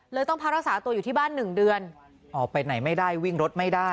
ต้องพักรักษาตัวอยู่ที่บ้านหนึ่งเดือนออกไปไหนไม่ได้วิ่งรถไม่ได้